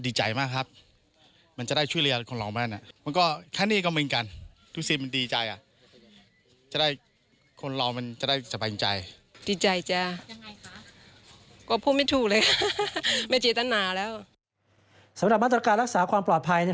สำหรับมาตรการรักษาความปลอดภัย